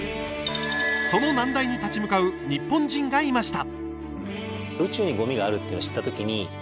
その難題に立ち向かう日本人がいました。